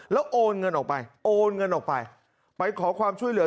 แล้วโอนเงินออกไปโอนเงินออกไปไปขอความช่วยเหลือ